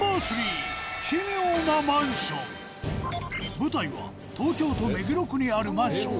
舞台は東京都目黒区にあるマンション